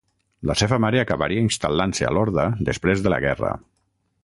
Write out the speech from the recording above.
La seva mare acabaria instal·lant-se a Lorda després de la guerra.